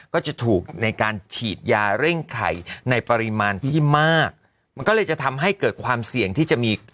ก็จะถูกในการฉีดยาเร่งไข่ในปริมาณที่มากมันก็เลยจะทำให้เกิดความเสี่ยงที่จะมี